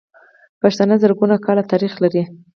پښتانه زرګونه کاله تاريخ لري.